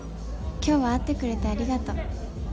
今日は会ってくれてありがとう。